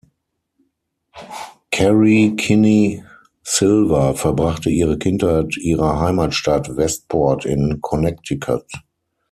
Kerri Kenney-Silver verbrachte ihre Kindheit ihrer Heimatstadt Westport in Connecticut.